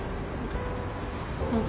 どうぞ。